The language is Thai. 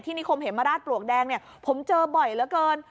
นิคมเหมราชปลวกแดงเนี่ยผมเจอบ่อยเหลือเกิน